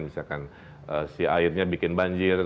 misalkan si airnya bikin banjir